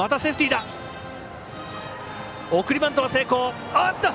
送りバント成功。